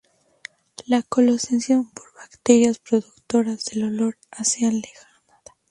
La colonización por bacterias productoras del olor es así alejada.